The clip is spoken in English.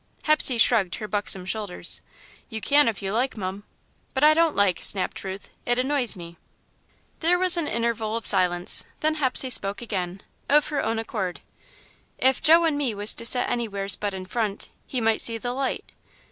Hepsey shrugged her buxom shoulders. "You can if you like, mum." "But I don't like," snapped Ruth. "It annoys me." There was an interval of silence, then Hepsey spoke again, of her own accord. "If Joe and me was to set anywheres but in front, he might see the light."